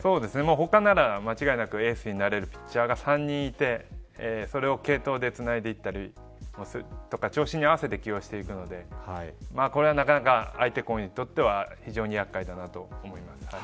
他なら間違いなくエースになれるピッチャーが３人いてそれを継投でつないでいったり調子に合わせて起用していくのでこれはなかなか相手校にとっては非常に厄介だなと思います。